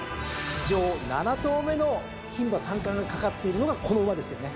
史上７頭目の牝馬三冠が懸かっているのがこの馬ですよね。